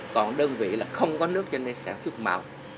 còn đơn vị là không có nước cho nên sản xuất màu